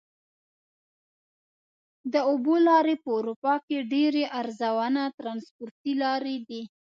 د اوبو لارې په اروپا کې ډېرې ارزانه ترانسپورتي لارې دي.